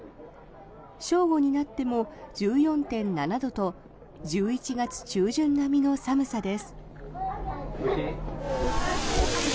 正午になっても１４．７度と１１月中旬並みの寒さです。